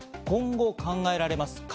今後、考えられます